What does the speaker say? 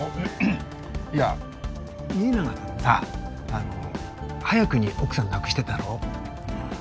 いや家長さんさあの早くに奥さん亡くしてるだろ？